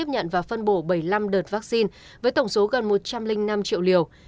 phân bộ bảy mươi năm đợt vaccine với tổng số gần một trăm linh năm triệu liều